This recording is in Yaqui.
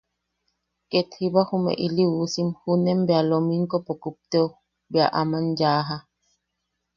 Ket jiba jume ili uusim junen bea lominkompo kupteo bea aman yaaja.